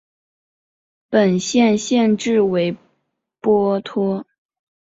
本县县治为波托。